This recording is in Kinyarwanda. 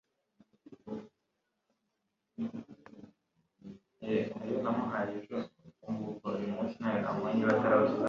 Echevin Michel Firket